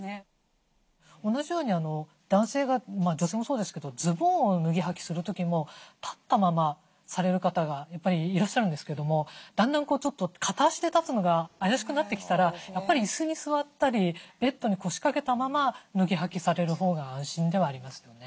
同じように男性が女性もそうですけどズボンを脱ぎはきする時も立ったままされる方がやっぱりいらっしゃるんですけどもだんだん片足で立つのが怪しくなってきたらやっぱり椅子に座ったりベッドに腰掛けたまま脱ぎはきされるほうが安心ではありますよね。